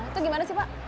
itu gimana sih pak